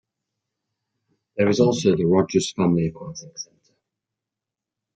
There is also the Rogers Family Aquatic Center.